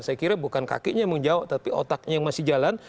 saya kira bukan kakinya yang menjawab tapi otaknya yang masih jalan